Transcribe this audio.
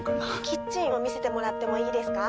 キッチンを見せてもらってもいいですか？